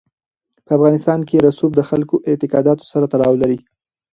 په افغانستان کې رسوب د خلکو اعتقاداتو سره تړاو لري.